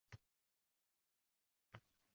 — Men sizni oxirgi amirga tenglashtirmoqchi emasman.